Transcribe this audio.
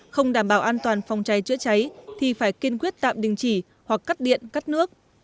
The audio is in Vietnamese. không đảm bảo an toàn phòng cháy chữa cháy thì phải kiên quyết tạm đình chỉ hoặc cắt điện cắt nước